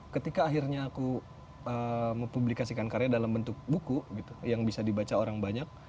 ketika akhirnya aku mempublikasikan karya dalam bentuk buku gitu yang bisa dibaca orang banyak